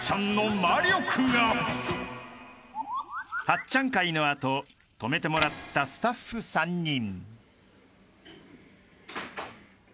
［はっちゃん会の後泊めてもらったスタッフ３人］